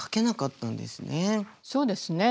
そうですね。